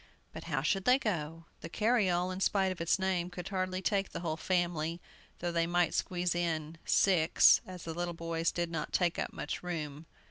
But how should they go? The carryall, in spite of its name, could hardly take the whole family, though they might squeeze in six, as the little boys did not take up much room.